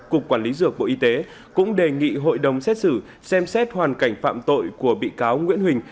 cục quản lý dược bộ y tế cũng đề nghị hội đồng xét xử xem xét hoàn cảnh phạm tội của bị cáo nguyễn huỳnh